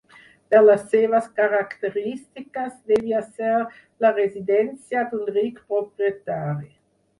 Per les seves característiques devia ser la residència d'un ric propietari.